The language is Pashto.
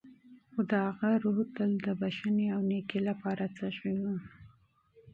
خو د هغه روح تل د بښنې او نېکۍ لپاره تږی و.